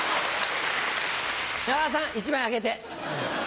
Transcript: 山田さん１枚あげて。